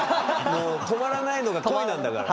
もう止まらないのが恋なんだから。